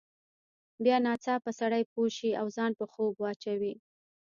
بیا ناڅاپه سړی پوه شي او ځان په خوب واچوي.